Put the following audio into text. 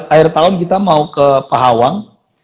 akhir tahun kita mau ke pahawang